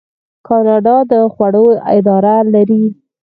کاناډا د خوړو اداره لري.